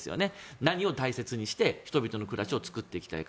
何を大切にして人々の暮らしを作っていきたいか。